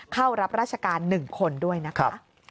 เข้ารับราชการ๑คนด้วยนะคะ